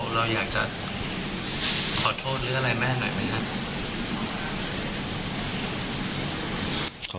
เราอยากจะขอโทษหรืออะไรแม่หน่อยไหมครับ